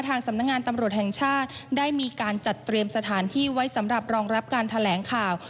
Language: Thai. ทางสำนักงานตำรวจแห่งชาติได้มีการจัดเตรียมสถานที่ไว้สำหรับรองรับการแถลงข่าว